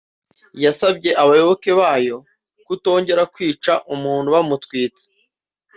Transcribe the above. yasabye abayoboke bayo kutongera kwica umuntu bamutwitse